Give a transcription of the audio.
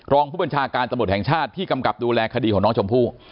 รองผู้บัญชาการตำรวจแห่งชาติที่กำกับดูแลคดีของน้องชมพู่